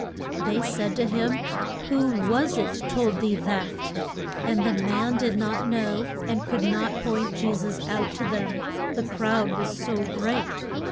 They said to him, Who was it told thee that? And the man did not know, and could not point Je sus out to them, the crowd was so great.